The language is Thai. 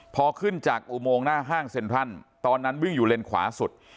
พอขึ้นจากอุโมงหน้าห้างเซ็นทรัลตอนนั้นวิ่งอยู่เลนขวาสุด